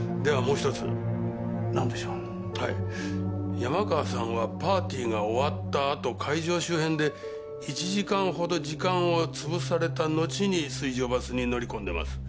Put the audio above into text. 山川さんはパーティーが終わった後会場周辺で１時間ほど時間をつぶされた後に水上バスに乗り込んでます。